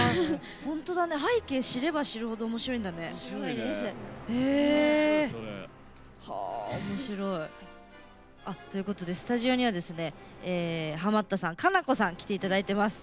背景知れば知るほどおもしろいんだね。ということでスタジオにはハマったさん、奏子さん来ていただいています。